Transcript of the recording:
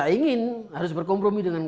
benar beberapa dendam persumpaut carrie